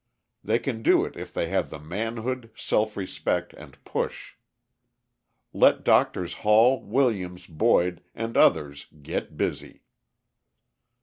They can do it if they have the manhood, self respect, and push. Let Doctors Hall, Williams, Boyd and others get busy."